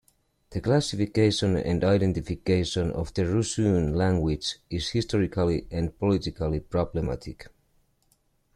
The classification and identification of the Rusyn language is historically and politically problematic.